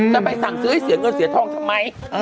ไปสั่งซื้อให้เสียเงินเสียทองทำไม